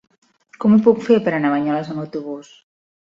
Com ho puc fer per anar a Banyoles amb autobús?